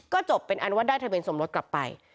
ก็จบเป็นอันว่าได้ทะเบียนสมรสกลับไป